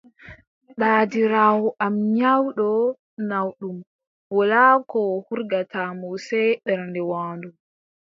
Daadiraawo am nyawɗo naawɗum, wolaa ko hurgata mo sey ɓernde waandu.